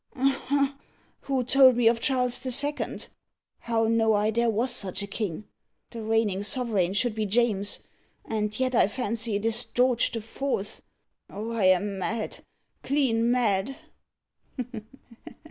Ha! who told me of Charles the Second? How know I there was such a king? The reigning sovereign should be James, and yet I fancy it is George the Fourth. Oh! I am mad clean mad!"